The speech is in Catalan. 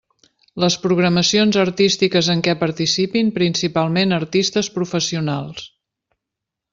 Les programacions artístiques en què participin principalment artistes professionals.